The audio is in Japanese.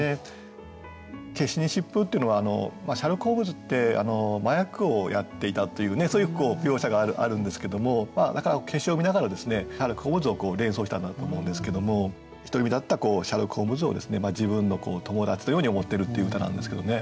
「罌粟に疾風」というのはシャーロック・ホームズって麻薬をやっていたというねそういう描写があるんですけどもだから罌粟を見ながらですねシャーロック・ホームズを連想したんだと思うんですけども独り身だったシャーロック・ホームズを自分の友達のように思ってるっていう歌なんですけどね。